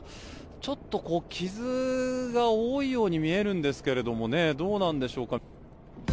ちょっと傷が多いように見えるんですけどどうなんでしょうか。